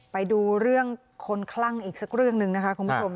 ไปดูเรื่องคนคลั่งอีกสักเรื่องหนึ่งนะคะคุณผู้ชม